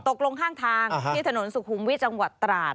ตกลงข้างทางที่ถนนสุขุมวิทย์จังหวัดตราด